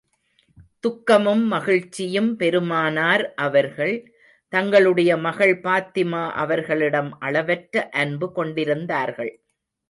துக்கமும் மகிழ்ச்சியும் பெருமானார் அவர்கள், தங்களுடைய மகள் பாத்திமா அவர்களிடம் அளவற்ற அன்பு கொண்டிருந்தர்கள்.